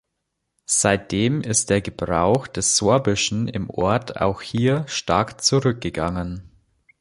Seitdem ist der Gebrauch des Sorbischen im Ort auch hier stark zurückgegangen.